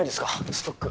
ストック。